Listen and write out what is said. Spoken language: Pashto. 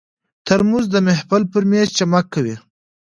ترموز د محفل پر مېز چمک کوي.